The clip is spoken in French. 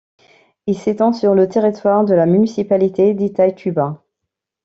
Il s'étend sur le territoire de la municipalité d'Itaituba.